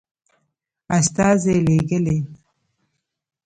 استازي لېږلي.